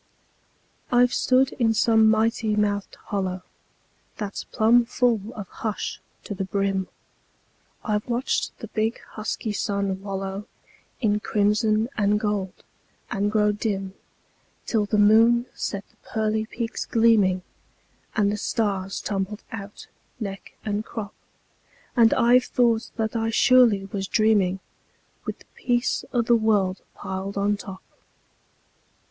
I've stood in some mighty mouthed hollow That's plumb full of hush to the brim; I've watched the big, husky sun wallow In crimson and gold, and grow dim, Till the moon set the pearly peaks gleaming, And the stars tumbled out, neck and crop; And I've thought that I surely was dreaming, With the peace o' the world piled on top.